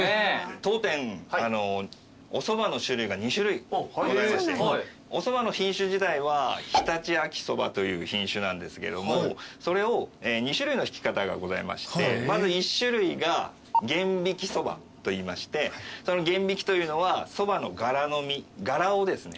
当店おそばの種類が２種類ございましておそばの品種自体は常陸秋そばという品種なんですけどもそれを２種類のひき方がございましてまず１種類が玄挽きそばといいましてその玄挽きというのはそばの殻の実殻をですね